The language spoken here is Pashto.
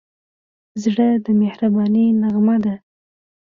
زړه د مهربانۍ نغمه ده.